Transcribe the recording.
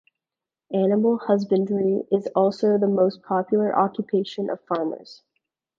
Animal husbandry is also the most popular occupation of farmers.